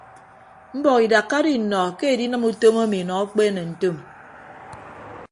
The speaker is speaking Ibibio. Mbọk idakka do innọ ke edinịm utom emi nọ akpeene ntom.